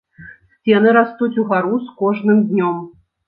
Сцены растуць угару з кожным днём.